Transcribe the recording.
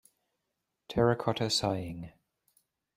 Terracotta Sighing.